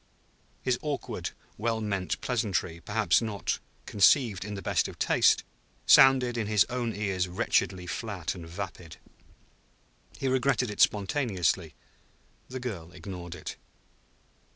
His awkward, well meant pleasantry, perhaps not conceived in the best of taste, sounded in his own ears wretchedly flat and vapid. He regretted it spontaneously; the girl ignored it.